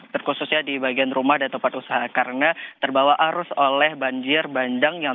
terkhususnya di bagian rumah dan tempat usaha karena terbawa arus oleh banjir bandang yang